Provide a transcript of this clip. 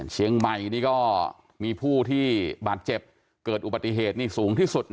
เชียงใหม่นี่ก็มีผู้ที่บาดเจ็บเกิดอุบัติเหตุนี่สูงที่สุดนะ